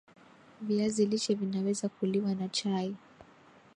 viazi lishe Vinaweza kuliwa na chai